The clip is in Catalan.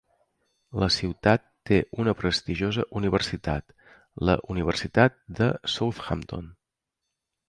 La ciutat té una prestigiosa universitat, la Universitat de Southampton.